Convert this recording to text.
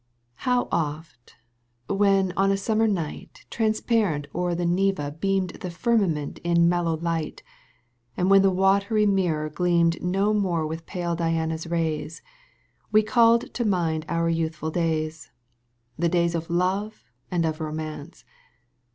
How oft, when on a summer night Transparent o'er the Neva beamed The firmament in mellow light. And when the watery mirror gleamed No more with pale Diana's rays,^^ We called to mind our youthful days — The days of love and of romance